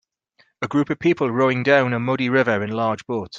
A group of people rowing down a muddy river in large boats.